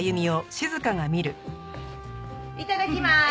いただきます。